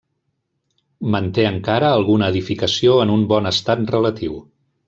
Manté encara alguna edificació en un bon estat relatiu.